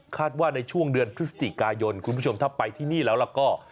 ว่าในช่วงเดือนพฤศจิกายนคุณผู้ชมถ้าไปที่นี่แล้วแล้วก็